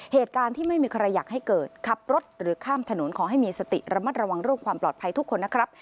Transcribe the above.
เหตุการณ์ที่ไม่มีใครอยากให้เกิดขับรถหรือข้ามถนนขอให้มีสติระมัดระวังเรื่องความปลอดภัยทุกคนนะครับ